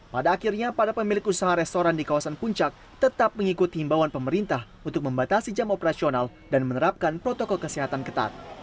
pada akhirnya para pemilik usaha restoran di kawasan puncak tetap mengikut himbawan pemerintah untuk membatasi jam operasional dan menerapkan protokol kesehatan ketat